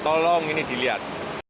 tolong ini dilihat